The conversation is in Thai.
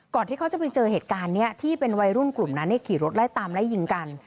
ที่เขาจะไปเจอเหตุการณ์นี้ที่เป็นวัยรุ่นกลุ่มนั้นขี่รถไล่ตามไล่ยิงกัน